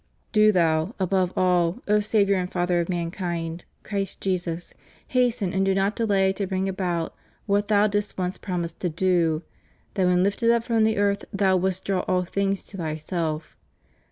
Do Thou, above all, O Saviour and Father of mankind, Christ Jesus, hasten and do not delay to bring about what Thou didst once promise to do — that when lifted up from the earth Thou wouldst draw all things to Thyself.